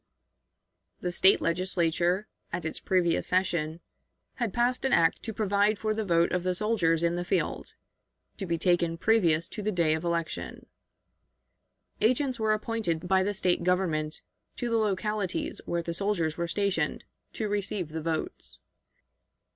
The State Legislature, at its previous session, had passed an act to provide for the vote of the soldiers in the field, to be taken previous to the day of election. Agents were appointed by the State government, to the localities where the soldiers were stationed, to receive the votes.